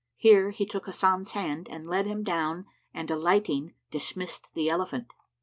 Here he took Hasan's hand and let him down and alighting dismissed the elephant.